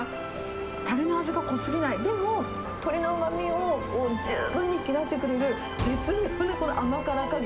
たれの味が濃すぎない、でも鶏のうまみを十分に引き出してくれる、絶妙な甘辛加減。